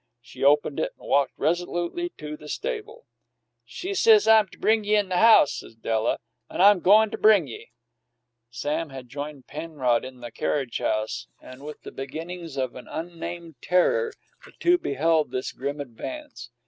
She opened it and walked resolutely to the stable. "She says I'm to bring ye in the house," said Della, "an' I'm goin' to bring ye!" Sam had joined Penrod in the carriage house, and, with the beginnings of an unnamed terror, the two beheld this grim advance.